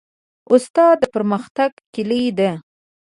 استاد د پرمختګ کلۍ ده.